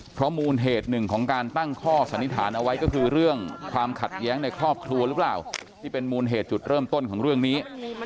เพราะมูลเหตุหนึ่งของการตั้งข้อสันนิษฐานเอาไว้ก็คือเรื่องความขัดแย้งในครอบครัวหรือเปล่าที่เป็นมูลเหตุจุดเริ่มต้นของเรื่องนี้